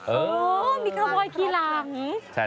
โอ้มีคอวบอยกี่หล่าง